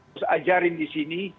terus ajarin di sini